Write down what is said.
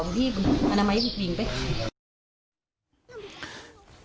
วิ่งพาสุดท้ายมาพบอื่นไหมครับ